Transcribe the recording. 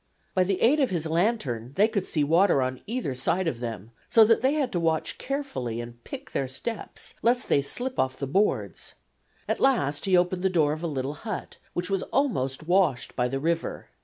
By the aid of his lantern they could see water on either side of them, so that they had to watch carefully and pick their steps lest they slip off the boards. At last he opened the door of a little hut, which was almost washed by the river.